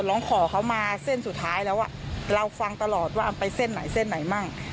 เราฟังตลอดว่าไปเส้นไหนมั่ง